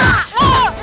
aku harus berusaha